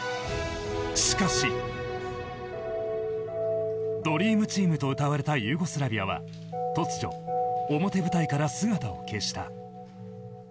しかし、ドリームチームとうたわれたユーゴスラビアは突如、表舞台から姿を消した。